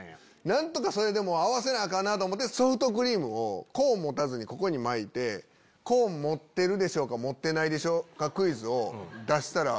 何とかそれでも合わせなアカンな！と思ってソフトクリームをコーンを持たずにここに巻いてコーン持ってるか持ってないかクイズを出したら。